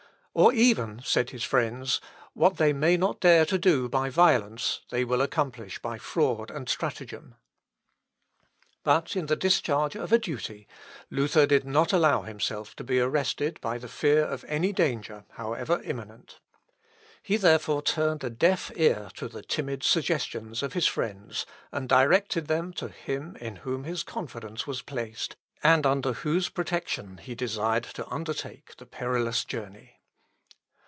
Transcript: "Or even," said his friends, "what they may not dare to do by violence, they will accomplish by fraud and stratagem." But in the discharge of a duty, Luther did not allow himself to be arrested by the fear of any danger, however imminent. He therefore turned a deaf ear to the timid suggestions of his friends, and directed them to Him in whom his confidence was placed, and under whose protection he desired to undertake the perilous journey.